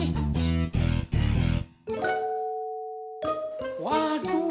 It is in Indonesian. kamu gak ganteng